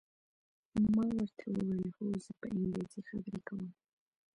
ما ورته وویل: هو، زه په انګریزي خبرې کوم.